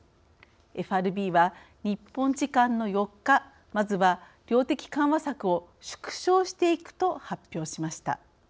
ＦＲＢは日本時間の４日まずは量的緩和策を縮小していくと発表しました。